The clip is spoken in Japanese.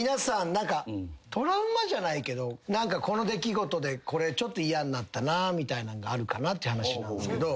何かトラウマじゃないけど何かこの出来事でこれちょっと「嫌になったな」みたいなんがあるかなって話なんすけど。